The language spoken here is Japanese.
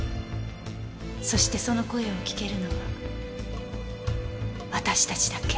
そしてその声を聞けるのは私達だけ。